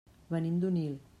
Venim d'Onil.